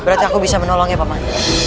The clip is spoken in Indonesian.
berarti aku bisa menolong ya paman